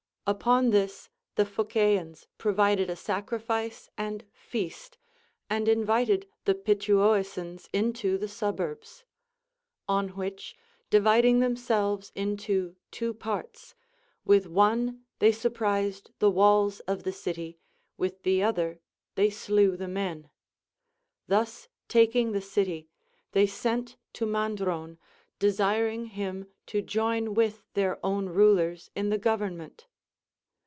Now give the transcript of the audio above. Upon this, the Phocaeans provided a sacrifice and feast, and invited the Pituoessans into the suburbs ; on which, dividing them selves into two parts, with one they surprised the walls of the city, Avith the other they slew the men. Thus taking the city, they sent to Mandron, desiring him to join with their own rulers in the government.